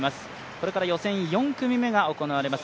これから予選４組目が行われます。